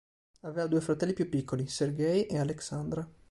Aveva due fratelli più piccoli, Sergej e Aleksandra.